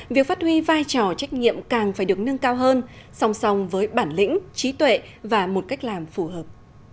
việc phát huy vai trò trách nhiệm càng phải được nâng cao hơn song song với bản lĩnh trí tuệ và một cách làm phù hợp